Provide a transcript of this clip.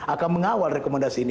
akan mengawal rekomendasi ini